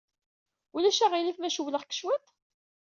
Ulac aɣilif ma cewwleɣ-k cwiṭ?